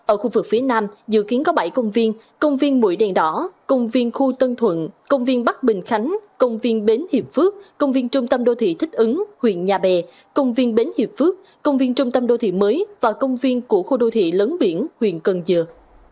ở khu vực phía nam dự kiến có bảy công viên công viên mũi đèn đỏ công viên khu tân thuận công viên bắc bình khánh công viên bến hiệp phước công viên trung tâm đô thị thích ứng huyện nhà bè công viên bến hiệp phước công viên trung tâm đô thị mới và công viên của khu đô thị lớn biển huyện cần dừa